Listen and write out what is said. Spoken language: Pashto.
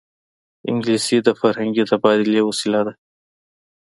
انګلیسي د فرهنګي تبادلې وسیله ده